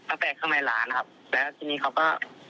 ตั้งแต่ข้างในร้านครับแล้วทีนี้เขาก็